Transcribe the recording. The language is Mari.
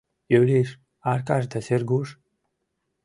Юриш, Аркаш да Сергуш?